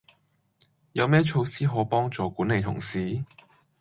有咩措施可幫助管理同事？